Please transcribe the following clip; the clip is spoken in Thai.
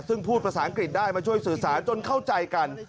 ซึ่งพูดภาษาอังกฤษได้มาช่วยสื่อสารจนเข้าใจกัน